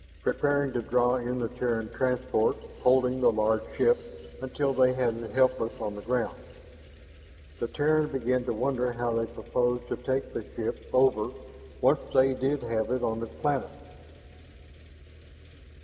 Preparing to draw in the Terran transport, holding the large ship until they had it helpless on the ground. The Terran began to wonder how they proposed to take the ship over once they did have it on planet.